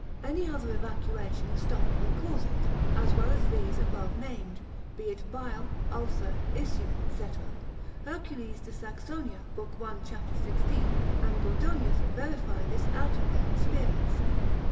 Any other evacuation stopped will cause it, as well as these above named, be it bile, ulcer, issue, &c. Hercules de Saxonia, lib. 1. c. 16, and Gordonius, verify this out of their experience.